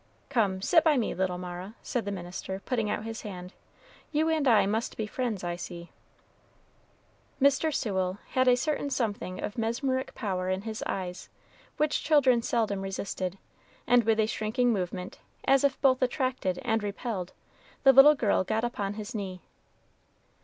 "Come, sit by me, little Mara," said the minister, putting out his hand; "you and I must be friends, I see." Mr. Sewell had a certain something of mesmeric power in his eyes which children seldom resisted; and with a shrinking movement, as if both attracted and repelled, the little girl got upon his knee.